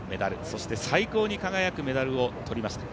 そして最高に輝くメダルを取りました。